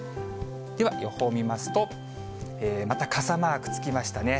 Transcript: では、予報見ますと、また傘マークつきましたね。